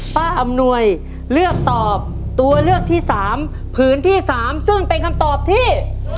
อำนวยเลือกตอบตัวเลือกที่๓ผืนที่๓ซึ่งเป็นคำตอบที่